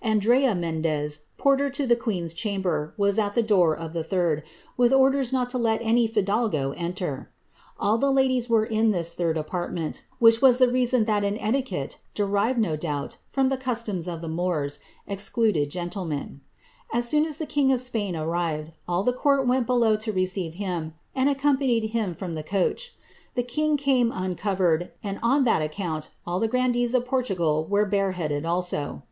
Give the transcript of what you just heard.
Andrea Mendez, porter to the qoeen'i chamber, was at the door of the third, with orders not to let any ji^s^ enter. All the ladies were in this third apartment, which was the reMOS that an etiquette, derived, no doubt, from the customs of the Moon^ el eluded gentlemen. As soon as the king of Spain arrived, all the cosrt went below to receive him, and accompanied him from the coach. Thi king came uncovered, and on that account all the grandees of Portofil were bareheaded also.